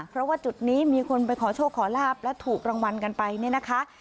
เพราะว่าจุดนี้มีคนไปขอโชคขอลาบและถูกรางวัลกันไปเนี่ยนะคะ